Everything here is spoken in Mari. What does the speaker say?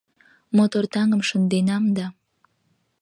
Мотор таҥым шынденам да